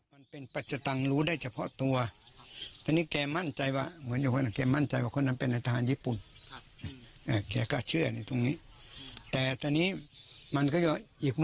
ไม่มีใครจะไปนั่นได้ตัดจะตังค์